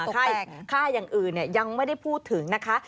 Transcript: แต่ค่าอย่างอื่นยังไม่ได้พูดถึงนะคะ